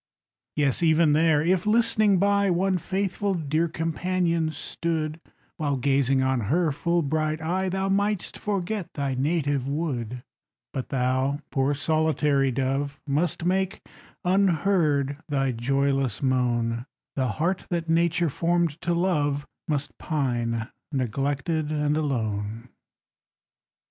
Yes, even there, if, listening by, One faithful dear companion stood, While gazing on her full bright eye, Thou mightst forget thy native wood But thou, poor solitary dove, Must make, unheard, thy joyless moan; The heart that Nature formed to love Must pine, neglected, and alone.